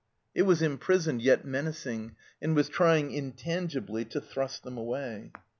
It was imprisoned, yet menacing, and was trying intangibly to thrust them away.